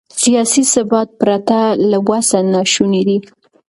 سیاسي ثبات پرته له ولسه ناشونی دی.